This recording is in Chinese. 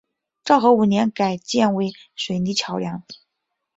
昭和五年改建为水泥桥梁。